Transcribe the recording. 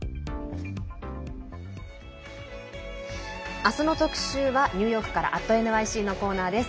明日の特集はニューヨークから「＠ｎｙｃ」のコーナーです。